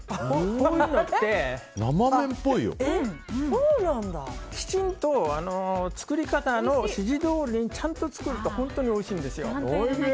こういうのってきちんと作り方の指示どおりにちゃんと作ると本当においしいんですよ。